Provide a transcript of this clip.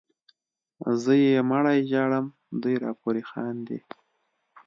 زه یې مړی ژاړم دوی راپورې خاندي